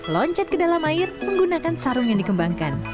loncat ke dalam air menggunakan sarung yang dikembangkan